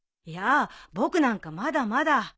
いや僕なんかまだまだ。